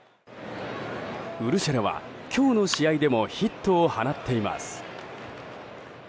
ウルシェラは今日の試合でもヒットを放っています。